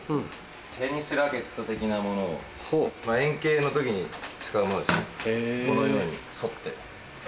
テニスラケット的なものを、円形のときに使うものですね、このように沿って。